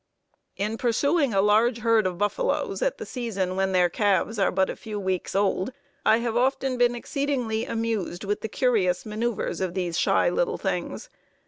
"In pursuing a large herd of buffaloes at the season when their calves are but a few weeks old, I have often been exceedingly amused with the curious maneuvers of these shy little things.